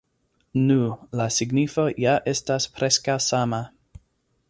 Nu, la signifo ja estas preskaŭ sama.